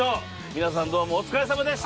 皆さんどうもお疲れさまでした。